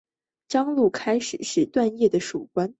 张骘开始是段业的属官。